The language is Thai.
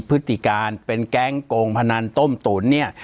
ปากกับภาคภูมิ